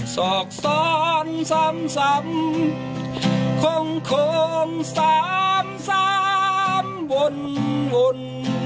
สอกซ้อนซ้ำซ้ำคงคงซ้ำซ้ำวนวน